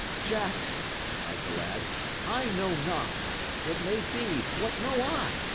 "Jack," cried the lad "I know not. It may be; what know I?